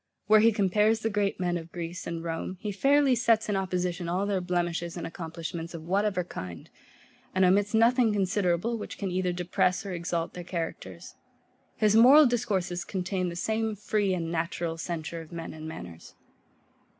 Where he compares the great men of Greece and Rome, he fairly sets in opposition all their blemishes and accomplishments of whatever kind, and omits nothing considerable, which can either depress or exalt their characters. His moral discourses contain the same free and natural censure of men and manners.